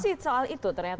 masih soal itu ternyata